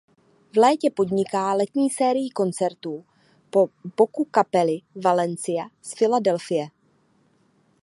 V létě podnikla letní sérii koncertů po boku kapely Valencia z Filadelfie.